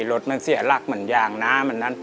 รถมันเสียหลักเหมือนยางน้ำมันนั้น